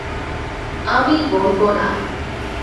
আমি বলব না।